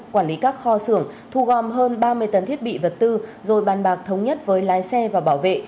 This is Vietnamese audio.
quản lý các kho xưởng thu gom hơn ba mươi tấn thiết bị vật tư rồi bàn bạc thống nhất với lái xe và bảo vệ